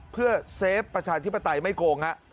เพื่อเซฟประชาธิปไตยไม่โกงฮะ